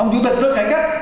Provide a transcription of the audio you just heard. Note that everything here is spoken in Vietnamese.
ông chủ tịch nó cải cách